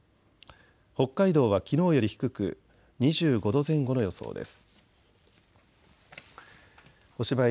北海道はきのうより低く２５度前後の予想です。